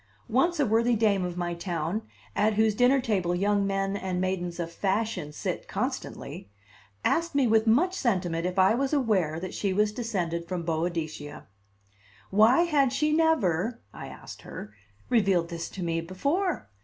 Once a worthy dame of my town, at whose dinner table young men and maidens of fashion sit constantly, asked me with much sentiment if I was aware that she was descended from Boadicea. Why had she never (I asked her) revealed this to me before?